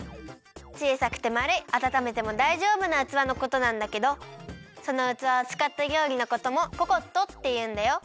ちいさくてまるいあたためてもだいじょうぶなうつわのことなんだけどそのうつわをつかったりょうりのこともココットっていうんだよ。